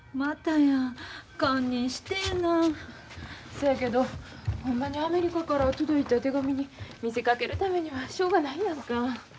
そやけどほんまにアメリカから届いた手紙に見せかけるためにはしょうがないやんか。